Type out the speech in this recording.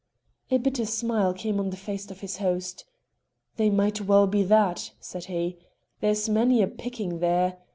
A bitter smile came on the face of his host. "They might well be that," said he. "There's many a picking there."